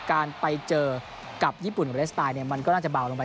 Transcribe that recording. การไปเจอกับญี่ปุ่นกับเกาหลีเหนือสไตล์เนี่ยมันก็น่าจะเบาลงไป